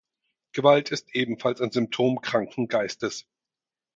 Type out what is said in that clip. Gewalt ist ebenfalls ein Symptom kranken Geistes.